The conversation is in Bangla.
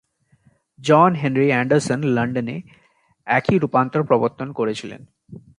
জন হেনরি অ্যান্ডারসন লন্ডনে একই রূপান্তর প্রবর্তন করেছিলেন।